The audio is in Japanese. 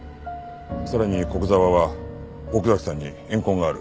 さらに古久沢は奥崎さんに怨恨がある。